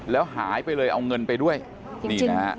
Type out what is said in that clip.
แล้วหายไปเลยเอาเงินไปด้วยนี่นะฮะ